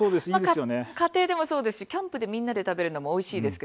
家庭でも、キャンプでもみんなで食べるのはおいしいですね。